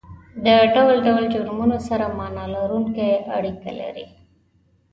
د ډول ډول جرمونو سره معنا لرونکې اړیکه لري